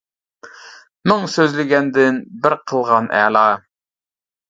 مىڭ سۆزلىگەندىن بىر قىلغان ئەلا.